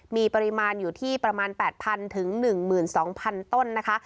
มีปริมาณอยู่ที่ประมาณ๘๐๐๑๒๐๐๐ต้นนะคะ